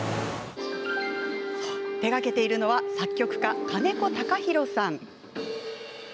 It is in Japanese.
手がけているのは作曲家、金子隆博さん。